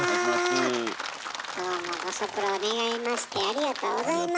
どうもご足労願いましてありがとうございます。